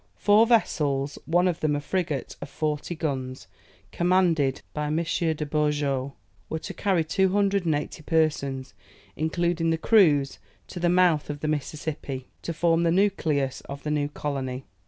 Four vessels, one of them a frigate of forty guns, commanded by M. de Beaujeu were to carry 280 persons, including the crews, to the mouth of the Mississippi, to form the nucleus of the new colony.